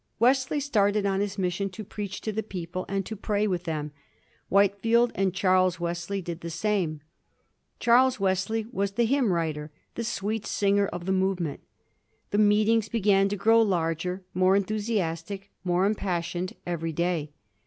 Wesley started on his mission to preach to the people and to pray with them. Whitefield and Charles Wesley did the same. Charles Wesley was the hymn writer, the sweet singer, of the movement. The meetings began to grow larger, more enthusiastic, more impassioned, every day.